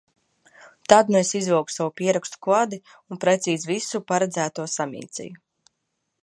Tad nu es izvilku savu pierakstu kladi un precīzi visu paredzēto samīcīju.